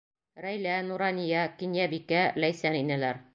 Рәйлә, Нурания, Кинйәбикә, Ләйсән инәләр.